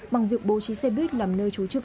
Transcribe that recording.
bằng việc bố trí xe buýt làm nơi chủ trực